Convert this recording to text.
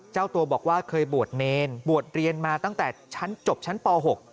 เจ้าตัวบอกว่าเคยบวชเนรบวชเรียนมาตั้งแต่ชั้นจบชั้นป๖